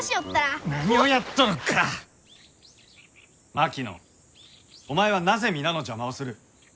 槙野お前はなぜ皆の邪魔をする？